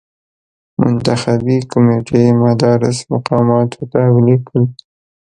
منتخبي کمېټې مدراس مقاماتو ته ولیکل.